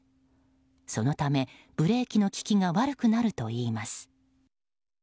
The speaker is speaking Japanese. そのため、ブレーキの利きが悪くなるといいます。